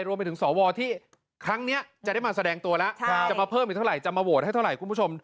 รวมไปถึงสวที่ครั้งนี้จะได้มาแสดงตัวแล้วจะมาเพิ่มอีกเท่าไหร่จะมาโหวตให้เท่าไหร่คุณผู้ชม